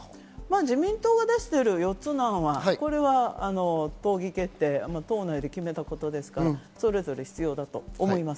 自民党が出してる４つの案は、党議決定、党内で決めたことですから、それぞれ必要だと思います。